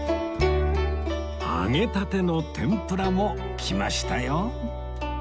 揚げたての天ぷらも来ましたよ